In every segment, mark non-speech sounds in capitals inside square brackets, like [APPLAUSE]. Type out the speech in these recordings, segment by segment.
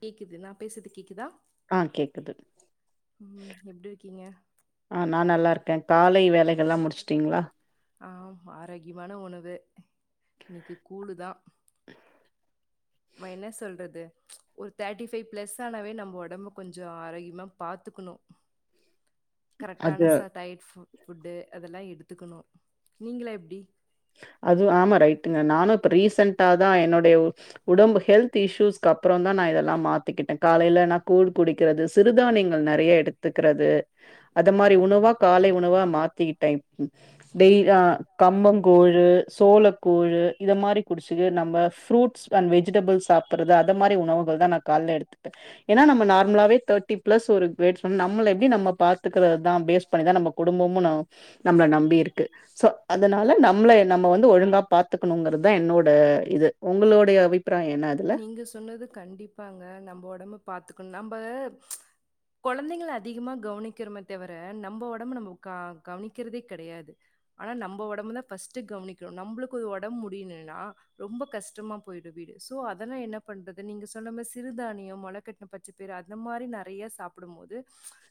கேக்குது நா பேசுறது கேக்குதா ம் எப்டி இருக்கீங்க ஆ நா நல்லாருக்கே காலை வேலைகள்லா முடிச்சுட்டிங்ளா ஆம் ஆரோக்கியமான உணவு இன்னைக்கு கூழு தா ம என்ன சொல்றது ஒரு தேர்ட்டி ஃபைவ் பிளஸ் ஆனவே நம்ம ஒடம்ப கொஞ்சோ ஆரோக்கியமா பாத்துக்குணு கரெக்ட்டான ச டயட் ஃபுட்டு அதெல்லா எடுத்துக்கணு நீங்களா எப்டி அதுவு ஆமா ரைட்டுங்க நானு இப்ப ரீசன்டா தா என்னுடைய உடம்பு ஹெல்த் இஸ்யூஸ்க்கு அப்புறந்தா நா இதெல்லாம் மாத் திக்கிட்டேன் காலையில நா கூழ் குடிக்கிறது சிறுதானியங்கள் நெறைய எடுத்துக்கிறது அத மாரி உ ணவா காலை உணவா மாத்திக்கிட்டேன் ம் டெய் ஆ கம்பங் கூழு சோளக் கூழு இத மாரி குடிச்சுட்டு நம்ம ஃப்ரூட்ஸ் அண்ட் வெஜிடபிள்ஸ் சாப்படுறது அத மாரி உணவுகள் தா நா காலைல எடுத்துப்பே ஏன்னா நம்ம நார்மலாவே தேர்ட்டி பிளஸ் ஒரு [UNINTELLIGIBLE] நம்மள எப்படி நம்ம பாத் துக்கிறது தான் ஃபேஸ் பண்ணிதான் நம்ம குடும்பமும் நம் நம்மள நம்பி இருக்கு சோ அதனால நம் மளய நம்ம வந்து ஒழுங்கா பாத்துக்கணுங்கிறதுதா என்னோட இது உங்களுடைய அபிப்பிராயம் என்ன அதுல நீங்க சொன்னது கண்டிப்பாங்க நம்ப ஒடம்பு பாத்துக்கணு நம்ப கொழந்தைங்கள அதிகமா கவனிக்கிறமே தவிர நம்ப ஒடம்பு நம்ப க கவனிக்கிறதே கெடையாது ஆனா நம்ப ஒடம்பு தா ஃபர்ஸ்ட் கவனிக்கணு நம்பளுக்கு ஒடம்ப்முடியலைனா ரொம்ப கஷ்டமா போய்டு வீடு சோ அதெல்லா என்ன பண்றது நீங்க சொன்ன மாரி சிறுதானியம் மொளக்கட் ன பச்சை பயிறு அந்த மாரி நெறைய சாப்டும் போது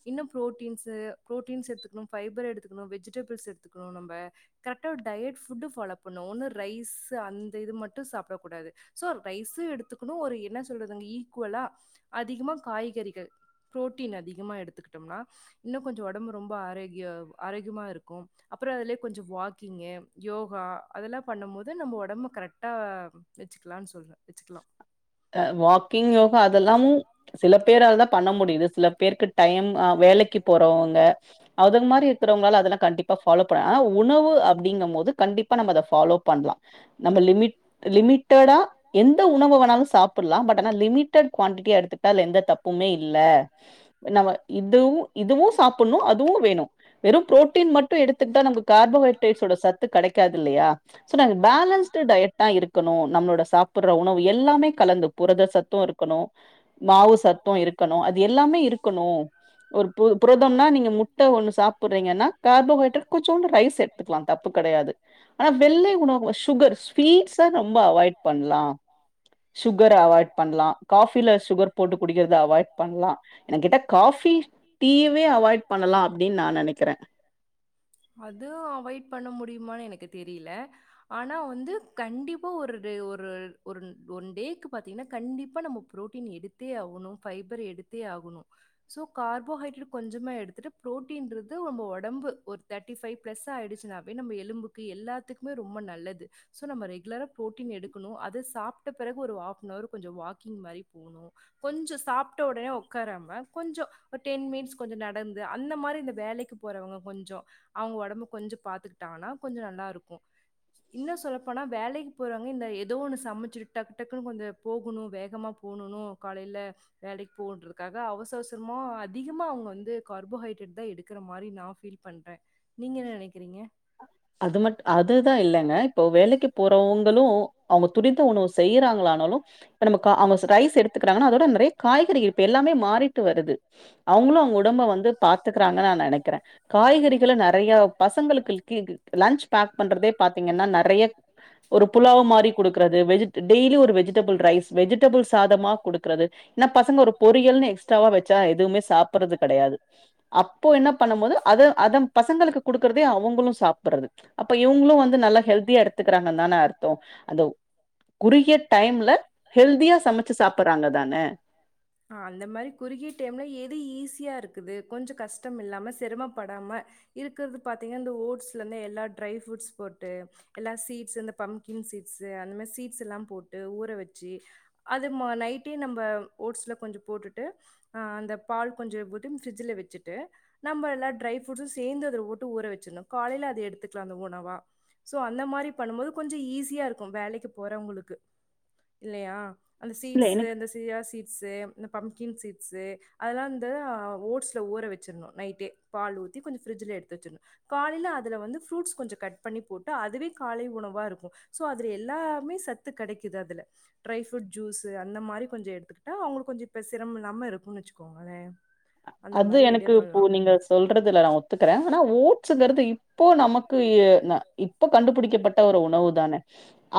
இன்னும் புரோட்டீன்ஸு புரோட்டீன்ஸ் எடுத்துக்கணும் ஃபைபர் எடுத்துக்கணும் வெஜிடபிள்ஸ் எடுத்துக்கணும் நம்ப கரெக்ட்டா ஒரு டயட் ஃபுட்டு் ஃபாலோ பண்ணும் ஒன்னு ரைஸு அந்த இது மட்டு சாப்டக் கூடாது சோ ரைஸும் எடுத்துக்குணு ஒரு என்ன சொல்றதுங்க ஈக்குவலா அதிகமா காய்கறிகள் புரோட்டீன் அதிகமா எடுத்துக்கிட்டம்னா இன்னுங் கொஞ்சோ ஒடம்பு ரொம்ப ஆரோக்கிய ஆரோக்கியமா இருக் கும் அப்புறம் அதுலயே கொஞ்சம் கும் அப்பறொ அதுலே வாக்கிங்கு யோகா அதெல்லாம் பண்ணும் போது நம்ம ஒடம்ப கரெக்ட்டா வச்சுக்கலான் சொல்றே வச்சுக்லா அ வாக்கிங் யோகா அதெல்லாமு சில பேராலதா பண்ண முடிது சில பேர்க்கு டைம் வேலைக்கு போறவுங்க அதுங் மாரி இருக்கிறவங்களால அதெல்லா கண்டிப்பா ஃபாலோ பண்ண அ உணவு அப்டிங்கம்போது கண்டிப்பா நம்ம அத ஃபாலோ பண்லா நம்ம லிமிட் லிமிட்டடா எந்த உணவு வேணாலு சாப்பிட்லா பட் ஆனா லிமிட்டெட் க்வான்டிட்டியா எடுத்துக்கிட்டா அதுல எந்த தப்புமே இல்ல நம்ம இதுவு இதுவு சாப்புட்ணு அதுவு வேணு வெறு ப்ரோட்டீன் மட்டு எடுத்துக்கிட்டா நமக் கார்போஹைட்ரேட்ஸோட சத்து கெடைக்காதுல்லையா சோ நம்ம பேலன்ஸ்டு டயட் டா இருக்கணு நம்ளோட சாப்புட்ற உணவு எல்லாமே கலந்து புரத சத்து இருக்கணு மாவு சத்து இருக்கணு அது எல்லாமே இருக்கணு ஒரு பு புரதம்னா நீங்க முட்ட ஒன்னு சாப்புறீங்கன்னா கார்போஹைட்ரேட் கொஞ்சோண்டு ரைஸ் எடுத் துக்கலா தப்பு கெடையாது ஆனா வெள்ளை உணவு சுகர் ஸ்வீட்ஸ ரொம்ப அவாய்ட் பண்லா ஆ சுகர அவாய்ட் பண்லா காஃபில சுகர் போட்டு குடிக்கிறத அவாய்ட் பண்லா என்னக் கேட்ட காஃபி டீயவே அவாய்ட் பண்ணலா அப்டின் நா நெனைக்கிறே அது அவாய்ட் பண்ண முடியுமானு எனக்கு தெரில ஆனா வந்து கண்டிப்பா ஒரு டே ஒரு ஒரு ஒன் டேக்கு பாத்தீங்கன்னா கண்டிப்பா நம்ம ப்ரோட்டீன் எடுத்தே ஆகணு ஃபைபர் எடுத்தே ஆகணு ஸோ கார்போஹைட்ரேட் கொஞ்சமா எடுத்துட்டு ப்ரோட்டீன்றது நம்ப ஒடம்பு ஒரு தேர்ட்டி ஃபைவ் ப்ளஸ்ஸா ஆயிடுச்சுனாவே நம்ப எலும்புக்கு எல்லாத்துக்குமே ரொம்ப நல்லது சோ நம்ம ரெகுலரா ப்ரோட்டீன் எடுக்கணு அத சாப்ட்ட பெறகு ஒரு ஹாஃப் அன் ஹவர் கொஞ்ச வாக்கிங் மாரி போணு கொஞ்ச சாப்ட்ட ஒடனே ஒக்காரம கொஞ்சோ ஒரு டென் மினிட்ஸ் கொஞ்சொ நடந்து அந்த மாரி இந்த வேலைக்குப் போறவங்க கொஞ்சொ அவங்க ஒடம்ப கொஞ்ச பாத்துக்கிட்டாங்கன்னா கொஞ்சொ நல்லாருக்கு இன்னு சொல்லப்போனா வேலைக்குப் போறவங்க இந்த ஏதோ ஒண்ணு சமைச்சுட்டு டக்கு டக்குன்னு கொஞ்சொ போகணு வேகமா போணுனு காலைல வேலைக்குப் போனுன்றதுக்காக அவச அவசரமா அதிகமா அவுங்க வந்து கார்போஹைட்ரேட்தா எடுக்கற மாரி நா ஃபீல் பண்றே நீங்க என்ன நெனைக்கிறீங்க அது மட்டு அதுதா இல்லங்க இப்போ வேலைக்குப் போறவங்களு அவுங்க துரித உணவு செய்யறாங்களானாலு இப்ப நம்ம கா அவுங்க ச ரைஸ் எடுத்துக்கறாங்கன்னா அதோட நெறைய காய்கறி இருப்பு எல்லாமே மாறிட்டு வருது அவுங்களு அவுங்க உடம்ப வந்து பாத்துக்கறாங்க நா நெனைக்கறே காய்கறிகள நெ றைய பசங்களுக்கு க்கு லன்ச் பேக் பண்றதே பாத்தீங்கன்னா நெறைய ஒரு புலாவ் மாரி குடுக்கறது வெஜிட் டெய்லி ஒரு வெஜிடபிள் ரைஸ் வெஜிடபிள் சாத மா கொடுக்கறது ஏன்னா பசங்க ஒரு பொரியல்னு எக்ஸ்ட்ராவா வச்சா எதுமே சாப்பறது கெடையாது அப்போ என்ன பண்ணும் போது அத அதம் பசங்களுக்கு குடுக்குறதே அவங்களு சாப்புறது அப்ப இவங்களு வந்து நல்லா ஹெல்த்தியா எடுத்துக்கிறாங்கன்தானே அர்த்த அந்த குறுகிய டைம்ல ஹெல்தியா சமைச்சு சாப்புறாங்கதானே ஆ அந்த மாரி குறுகிய டைம்ல எது ஈஸியா இருக்குது கொஞ்சொ கஷ்டமில்லாம சிரமப்படாம இருக்றது பாத்தீங்கன்னா இந்த ஓட்ஸ்லருந்து எல்லா ட்ரை ஃப்ரூட்ஸ் போட்டு எல்லா சீட்ஸ் இந்த பம்ப்கின் சீட்ஸ் அந்த மாரி சீட்ஸெல்லா போட்டு ஊற வச்சு அது ம நைட்டே நம்ம ஓட்ஸ்ல கொஞ்சொ போட்டுட்டு ஆ அந்த பால் கொஞ்சொ இது ஃப்ரிட்ஜ்ல வச்சுட்டு நம்ம எல்லா ட்ரை ஃப்ரூட்ஸு சேந்து அதுல ஓட்டு ஊற வச்சிடணு காலைல அது எடுத்துக்கலா அந்த உணவா சோ அந்த மாரி பண்ணும் போது கொஞ்சொ ஈஸியா இருக்கு வேலைக்குப் போறவங்களுக்கு இல்லையா அந்த சீட்ஸு அந்த சியா சீட்ஸு இந்த பம்ப்கின் சீட்ஸு அதெல்லா இந்த ஓட்ஸ்ல ஊற வச்சிர்ணு நைட்டே பால் ஊத்தி கொஞ்சொ ஃப்ரிட்ஜில எடுத்து வச்சிட்னு காலைல அதுல வந்து ஃப்ரூட்ஸ் கொஞ்சோ கட் பண்ணிப் போட்டு அதுவே காலை உணவா இருக்கு சோ அதுல எல்லாமே சத்து கெடைக்குது அதுல ட்ரை ஃப்ரூட் ஜூஸு அந்த மாரி கொஞ்ச எடுத்துக்கிட்டா அவுங்களுக்கு கொஞ்ச இப்ப சிரமமில்லாம இருக்குன்னு வச்சுக்கோங்களே அது எனக்கு இப்போ நீங்க சொல்றதுல நா ஒத்துக்குறே ஆனா ஓட்ஸுங்றது இப்போ நமக்கு ந இப் இப்ப கண்டுபிடிக்கப்பட்ட ஒரு உணவு தானே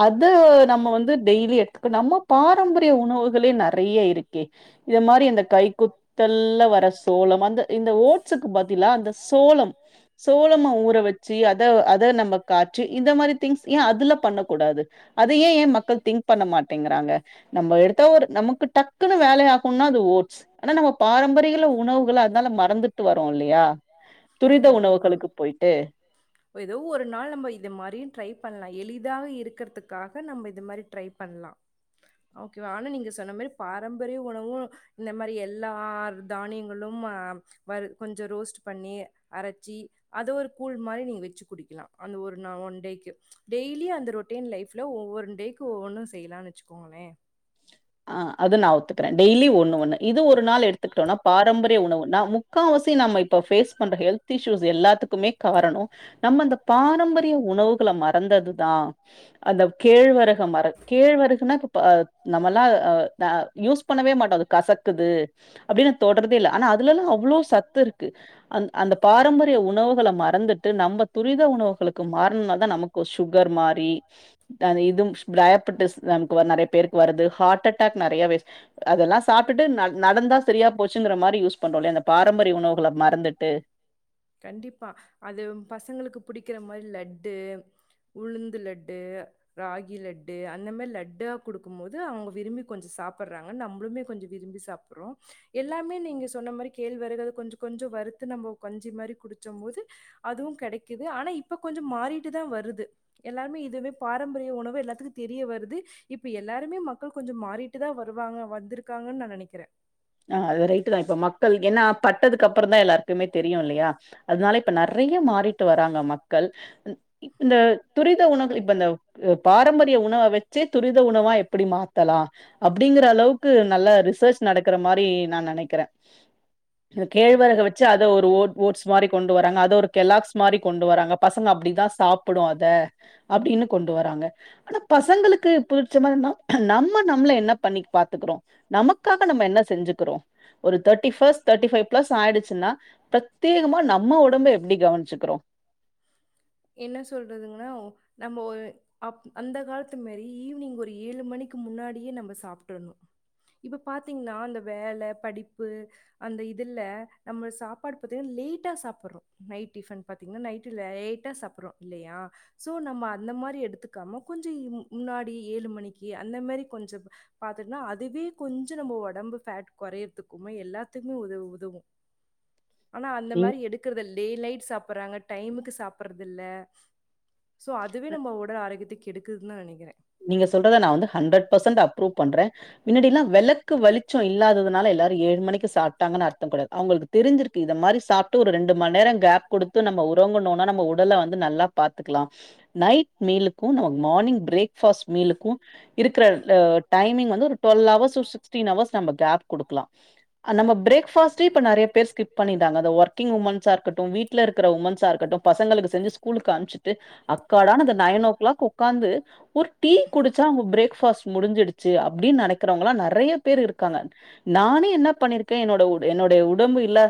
அது நம்ம வந்து டெய்லி எடுத்துக்க நம்ம பாரம்பரிய உணவுகளே நறைய இருக்கே இத மாரி இந்த கை குத்தல்ல வர வந்து இந்த ஓட்ஸுக்கு பதிலா அந்த சோளம் சோளம ஊற வெச்சு அத அத நம்ம காச்சி இந்த மாரி திங்ஸ் ஏ அதுல பண்ணக் கூடாது அதையே ஏ மக்கள் திங்க் பண்ண மாட்டேங்கிறாங்க நம்ம எடுத்தா ஒரு நமக்கு டக்குனு வேலை ஆகனுனா அது ஓட்ஸ் ஆனா நம்ம பாரம்பரியல உணவுகள அதுனால மறந்துட்டு வரோ இல்லையா துரித உணவுகளுக்குப் போயிட்டு இப்ப எதோ ஒரு நாள் நம்ம இத மாரியு ட்ரை பண்லா எளிதாக இருக்கறதுக்காக நம்ம இது மாரி ட்ரை பண்லா ஓகேவா ஆனா நீங்க சொன்ன மாரி பாரம்பரிய உணவு இந்த மாரி எல்லார் தானியங்களும் அ வறு கொஞ்ச ரோஸ்ட் பண்ணி அரைச்சி அத ஒரு கூழ் மாரி நீ வெச்சு குடிக்கலா அந்த ஒரு நா ஒன் டேக்கு டெய்லி அந்த ரொட்டீன் லைஃப்ல ஒவ்வொருன் டேக்கு ஒவ்வொன்னு செய்யலான்னு வெச்சுக்கோங்களே ஆ அது நா ஒத்துக்குறே டெய்லி ஒன்னு ஒன்னு இது ஒரு ரு நாள் எடுத்துக்கிட்டோனா பாரம்பரிய உணவு நா முக்காவாசி நம்ம இப்ப ஃபேஸ் பண்ற ஹெல்த் த் இஷ்யூூஸ் எல்லாத்துக்குமே காரணோ நம்ம இந்த பாரம்பரிய உணவுகள மறந்ததுதா அந்த கேழ்வரக மறக் கேழ்வரகுனா இப்ப ப நம் மல்லா அ த யூஸ் பண்ணவே மாட்டோ அது கசக்குது அப்படின்னு தொடறதே இல்ல ஆனா அதுலல்லா அவ்ளோ சத்து இருக்கு அந்த பாரம்பரிய உணவுகளை மறந்துட் ட்டு நம்ம துரித உணவுகளுக்கு மாறுனனாலதா நமக்கு சுகர் மாறி அந்த இது டையப் பட்டிஸ் நமக்கு நறைய பேருக்கு வருது ஹார்ட் அட்டாக் நிறையவே அதெல்லா சாப்ட்டுட்டு நட நடந்தா சரியா போச் சுங்குற மாரி யூஸ் பண்றோல்லயா இந்த பாரம்பரிய உணவுகள மறந்துட்டு கண்டிப்பா அது பசங்களுக்கு புடிக்கிற மாரி லட்டு உளுந்து லட்டு ராகி லட்டு அந்த மாரி லட்டா குடுக்கும் போது அவுங்க விரும்பி கொஞ்ச சாப்பிட்றாங்க நம்பலுமே கொஞ்ச விரும்பி சாப் புறோ எல்லாமே நீங்க சொன்ன மாரி கேள்வரகு அது கொஞ்ச கொஞ்ச வறுத்து நம்ப கஞ் ஞ்சி மாரி குடிச்சம்போது அதுவு கெடைக்குது ஆனா இப்ப கொஞ்சோ மாறிட்டு தா வருது எல்லாருமே இதுவுமே பாரம்பரிய உணவு எல்லாத்துக்கு தெரிய வருது இப்ப எல்லாருமே மக்கள் கொஞ்ச மாறிட்டு தா வருவாங்க வந்திருக்காங்கன்னு நா நினைக்கிறே ஆ அது ரைட்டு தா இப்ப மக்கள் ஏன்னா பட்டதுக்கு அப்புறந்தா எல்லாருக்குமே தெரியு இல்லையா அதுனால இப்ப நறைய மாறிட்டு வராங்க மக்கள் இந்த துரித உணவு இப்ப இந்த பாரம்பரிய உணவ வெச்சே துரித உணவா எப்படி மா த்தலா அப்படிங்கிற அளவுக்கு நல்ல ரிசர்ச் நடக்கிற மாரி நான் நினைக்கிறே இந்த கேழ்வரக வெச்சு அத ஒரு ஓட் ஓட்ஸ் மாரி கொண்டு வராங்க அத ஒரு கெலாக்ஸ் மாரி கொண்டு வராங்க பசங்க அப்புடிதா சாப்புடு அத அப்டின்னு கொண்டு வராங்க அத பசங்களுக்கு புடிச்ச மாரினா நம்ம நம்மள என்ன பண்ணி பாத்துக்குறோ நமக்காக இப்ப என்ன செஞ்சுக்குறோ ஒரு thirty first thirty five plus ஆயிடுச்சுன்னா ப்ரத்தியேகமா நம்ம ஒடம்ப எப்டி கவனுச்சுக்குறோ என்ன சொல்றதுங்கன்னா நம்ம ஒரு அப் அந்த காலத் த்து மாரி ஈவினிங் ஒரு ஏழு மணிக்கு முன்னாடியே நம்ம சாப்ட்றணு இப்ப பாத்தீங்னா இந்த வேல படிப்பு அந்த இதுல நம்ம சாப்பாடு பாத்தீங்கன்னா லேட்டா சாப்புட்றோ நைட் டிஃபன் பாத்தீங்கன்னா நைட்டு லைட்டா சாப்புட்றோ இல்லையா சோ நம்ம அந்த மாரி எடுத்துக்காம கொஞ்சோ இன்னு முன்னாடி ஏழு மணிக்கி அந்த மாரி கொஞ்சம் பாத்துட்னா அதுவே கொஞ்ச நம்ம ஒடம்பு ஃபேட் கொறையறதுக்குமே எல்லாத்துக்குமே உதவு உதவும் ஆனா அந்த மாரி எடுக் குறது லே நைட் சாப்புட்றாங்க டைமுக்கு சாப்புட்றது இல்ல சோ அதுவே நம்ம உடல் ஆரோக்கியத்த கெடுக்குதுன்னு தா நினைக்கிறே நீங்க சொல்றத நா வந்து ஹண்ட்ரட் பர்சன்ட் அப்ரூவ் பண்றே மின்னாடி எல்லா வெளக்கு வெளிச்சோ இல்லாததுனால எல்லாரு ஏழு மணிக்கு சாப்ட்டாங்கன்னு அர்த்தம் கெடையாது அவுங்களுக்கு தெருஞ்சுருக்கு இத மாரி சாப்ட்டு ஒரு ரெண்டு மண் நேரோ கேப் குடுத்து நம்ம உறங்குனோன்னா நம்ம உடல வந்து நல்லா பாத்துக்கலாம் நைட் மீலுக்கு நம்ம மார்னிங் ப்ரேக் பாஸ்ட் மீலுக்கு இருக்குற அ டைமிங் வந்து ஒரு டுவெல் ஹவர்ஸ் ஒரு சிக்ஸ்டீன் ஹவர்ஸ் நம்ம கேப் குடுக்கலாம் நம்ம ப்ரேக் பாஸ்ட்டே இப்ப நெறைய பேர் ஸ்கிப் பண்ணிட்டாங்க அந்த ஒர்கிங் உமன்ஸ்சா இருக்கட்டும் வீட் ட்ல இருக்குற உமன்ஸ்சா இருக்கட்டு பசங்களுக்கு செஞ்சு ஸ்கூலுக்கு அம்ச்சிட்டு அக் காடான்னு அந்த நைன் ஓ க்ளாக் உக்காந்து ஒரு டீ குடிச்சா அவுங்க ப்ரேக்ஃபாஸ்ட் முடிஞ்சிடுச்சு அப்டின்னு நெனைக்குறவுங்கல்லா நெறையா பேர் இருக்காங்க நானே என்ன பண்ணிருக்கே என்னோட உ என்னுடைய உடம்பு இல்லா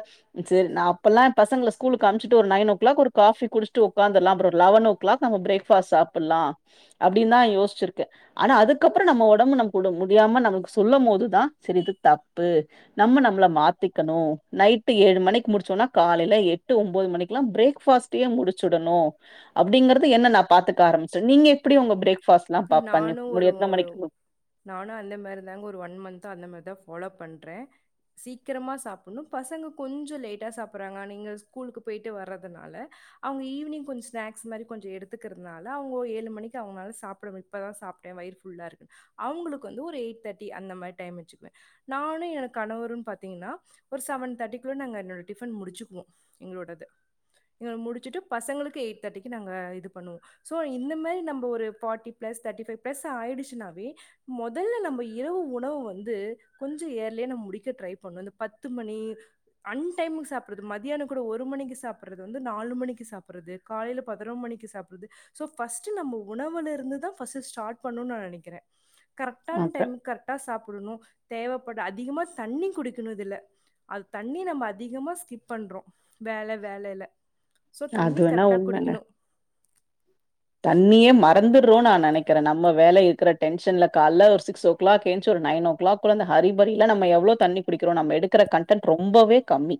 செரி நா அப்பல்லா எ பசங்கள ஸ்கூலுக்கு அம்ச்சுட்டு ஒரு நைன் ஓ க்ளாக் ஒரு காஃபி குடுச்சுட்டு ஒக்காந்துர்லா அப்பறோ லெவன் ஓ க்ளாக் நம்ம ப்ரேக்பாஸ்ட் சாப்புட்லா அப்டின் தா யோசிச்சுருக்கே ஆனா அதுக்கப்பறோ நம்ம ஒடம்பு நம்ம கூட முடியாம நமக்கு சொல்லம் போதுதா செரி இது தப்பு நம்ம நம்மள மாத்திக்கணு நைட்டு ஏழு மணிக்கு முடிச்சோன்னா காலையில எட்டு ஒம்போது மணிக்கெல்லா ப்ரேக்பாஸ்ட் டயே முடுச்சுடணு அப்டிங்கறது என்ன நா பாத்துக்க ஆரம்பிச்சே நீங்க எப் உங்க ப்ரேக்பாஸ்ட்லா பாப் பண்ணி முடி எத்தன மணிக்கு முடி நானு அந்த மாரி தாங்க ஒரு ஒன் மந்த்தா அந்த மாரிதா ஃபாலோ பண்றே சீக்கரமா சாப்புட்னு பசங்க கொஞ்சோ லேட்டா சாப்புர்றாங்க நீங்க ஸ்கூலுக்கு பொயிட்டு வர்றதுனால அவுங்க ஈவ்னிங் கொஞ்சோ ஸ்னாக்ஸ் மாரி கொஞ்சோ எடுத்துக்குறதுனால அவுங்க ஒரு ஏழு மணிக்கு அவுங்கனால சாப்புட வந் இப்ப தா சாப்புட்டே வயிறு ஃபுல்லாருக்கு அவுங்களுக்கு வந்து ஒரு எயிட் தேர்ட்டி அந்த மாரி டைம் வச்சுக்குவே நானு என் கணவருன்னு பாத்தீங்கன்னா ஒரு செவன் தேர்ட்டிக்குள்ள நாங்க எங்களோட டிஃபன் முடிச்சுக்குவோ எங்களோடது எங்கள முடுச்சுட்டு பசங்களுக்கு எயிட் தேர்ட்டிக்கி க்கி நாங்க இது பண்ணுவோ சோ இந்த மாரி நம்ம ஒரு forty plus thirty five plus ஆயிடுச்சுனாவே மொதல்ல நம்ம இரவு உணவு வந்து கொஞ்சோ இயர்லியா நம்ம முடிக்க ட்ரை பண்ணனு இந்த பத்து மணி அன் டைமுக்கு சாப்புட்றது மத்தியானோ கூட ஒரு மணிக்கு சாப்புட்றது வந்து நாலு மணிக்கு சாப்புட்றது காலையில பதுனோர் மணிக்கு சாப்புட்றது சோ பஃர்ஸ்ட்டு நம்ம உணவுல இருந்துதா ஃபர்ஸ்ட்டு ஸ்டார்ட் பண்ணுன்னு நா நெனக்கிறே கரெக்டான டைமுக்கு கரெக்டா சாப்புடணு தேவப்படு அதிகமா தண்ணி குடிக்கணு இதுல அது தண்ணி நம்ம அதிகமா ஸ்கிப் பண்றோ வேல வேலையில சோ தண்ணி கரெக்டா குடிக்கணோ தண்ணியே மறந்துறோ நா நெனைக் கிற நம்ம வேல இருக்குற டென்ஷன்ல கால்ல ஒரு சிக்ஸ் ஓ கிளாக் ஏன்ச்சி ஒரு நயனோ கிளாக்குல்ல ஹரிபரில நம்ம எவ்வளோ தண்ணிக் குடிக்கிறோ நம்ம எடுக்குர கண் டன்ட்டு ரொம்பவே கம்மி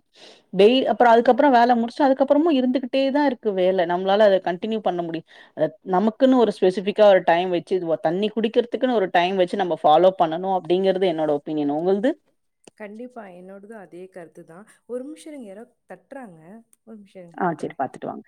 வெயில் அப்புறோ அதுக்கப்புறோ வேல முடிச்சு அதுக்கப்புறமு இருந்துகிட்டே தா இருக் கு வேல நம்மளால அத கண்டினியூ பண்ண முடியு அ நமக் கு ஒரு ஸ்பெசிஃபிக்கா ஒரு டைம் வெச்சு ஒ தண்ணி குடிக்கிறதுக்குன்னு ஒரு டைம் வெச்சு நம்ம ஃபாலோ பண்ணணோ அப்டீங்கறது என்னோடய ஒப் பீனியன் உங்கள்து கண்டிப்பா என்னோடது அதே கருத்துதா ஒரு நிமிஷோ இருங்க யாரோ தட்றாங்க ஆ செரி பாத்துட்டு வாங்க